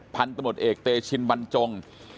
พันธุ์ตมติเอกเตชินวันจง